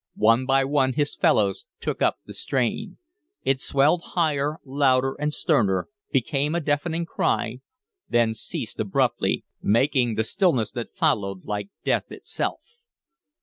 One by one his fellows took up the strain; it swelled higher, louder, and sterner, became a deafening cry, then ceased abruptly, making the stillness that followed like death itself.